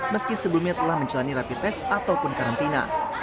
meski sebelumnya telah menjalani rapi tes ataupun karantina